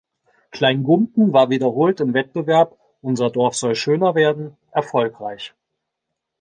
Klein-Gumpen war wiederholt im Wettbewerb Unser Dorf soll schöner werden erfolgreich.